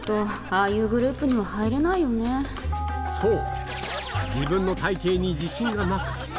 そう！